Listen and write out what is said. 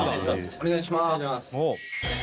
お願いします。